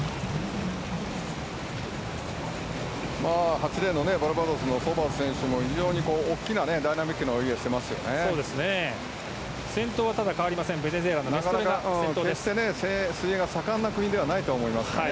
８レーンバルバドスのソバーズ選手も非常に大きなダイナミックな泳ぎですね。